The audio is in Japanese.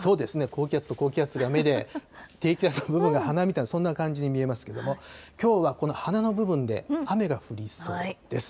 高気圧と高気圧が目で、低気圧が鼻みたいに、そんな感じに見えますけども、きょうはこの鼻の部分で雨が降りそうです。